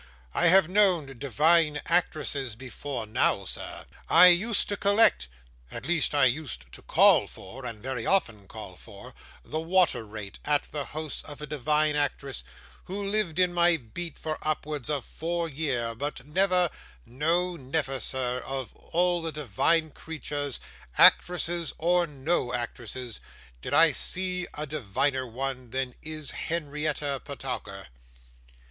'I have known divine actresses before now, sir, I used to collect at least I used to CALL for and very often call for the water rate at the house of a divine actress, who lived in my beat for upwards of four year but never no, never, sir of all divine creatures, actresses or no actresses, did I see a diviner one than is Henrietta Petowker.